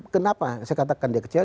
kenapa saya katakan dia kecewa